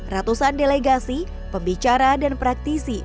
ratusan delegasi pembicara dan praktisi